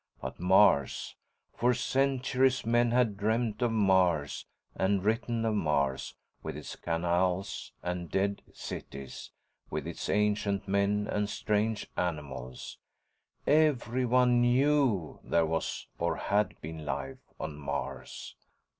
But Mars. For centuries men had dreamed of Mars and written of Mars with its canals and dead cities, with its ancient men and strange animals. Everyone knew there was or had been life on Mars.